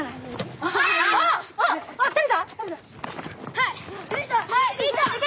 はい。